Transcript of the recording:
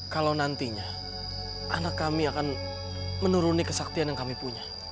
kalau nantinya anak kami akan menuruni kesaktian yang kami punya